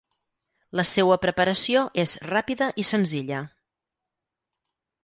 La seua preparació és ràpida i senzilla.